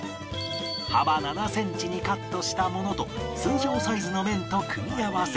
幅７センチにカットしたものと通常サイズの麺と組み合わせ